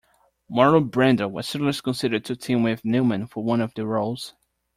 Marlon Brando was seriously considered to team with Newman for one of the roles.